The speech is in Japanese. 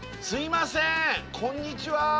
すいませーんこんにちは